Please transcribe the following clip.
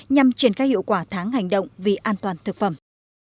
nhằm triển khai hiệu quả tháng hành động vì an toàn thực phẩm